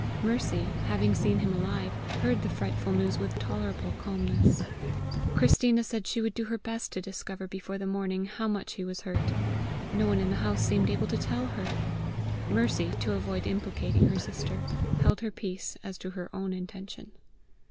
Mercy, having seen him alive, heard the frightful news with tolerable calmness. Christina said she would do her best to discover before the morning how much he was hurt; no one in the house seemed able to tell her! Mercy, to avoid implicating her sister, held her peace as to her own intention.